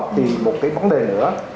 thì một cái vấn đề nữa